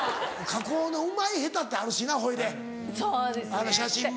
加工のうまい下手ってあるしなほいであの写真も。